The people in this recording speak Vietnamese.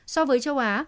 so với châu á